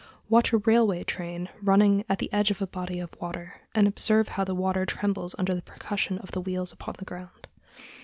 Watch a railway train running at the edge of a body of water, and observe how the water trembles under the percussion of the wheels upon the ground.